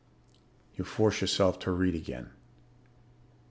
You force yourself to read again.